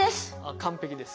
完璧です。